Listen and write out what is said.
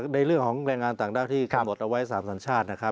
ในเรื่องของแรงงานต่างด้าวที่กำหนดเอาไว้๓สัญชาตินะครับ